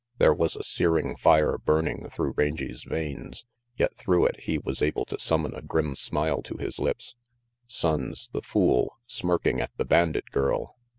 There was a searing fire burning through Rangy's veins; yet through it he was able to summon a grim smile to his lips. Sonnes, the fool, smirking at the bandit girl!